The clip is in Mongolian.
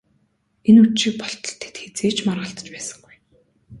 Энэ үдшийг болтол тэд хэзээ ч маргалдаж байсангүй.